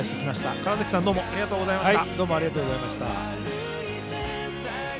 川原崎さんどうもありがとうございました。